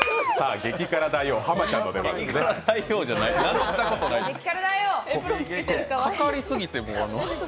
激辛大王・浜ちゃんの出番です。